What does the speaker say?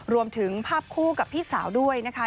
รวมถึงภาพคู่กับพี่สาวด้วยนะคะ